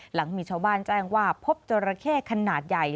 หลังมีชาวบ้านแจ้งว่าพบจราเข้ขนาดใหญ่